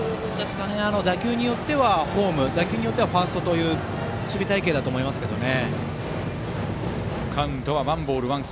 打球によってはホーム打球によってはファーストという守備隊形だと思いますけどね。